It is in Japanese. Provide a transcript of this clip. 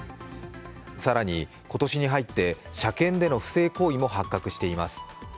更に今年に入って車検での不正行為も発覚しています。